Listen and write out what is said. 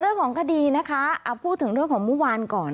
เรื่องของคดีนะคะพูดถึงเรื่องของเมื่อวานก่อน